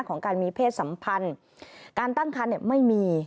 ของการมีเพศสัมพันธ์การตั้งคันเนี่ยไม่มี